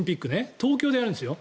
東京でやるんですよ。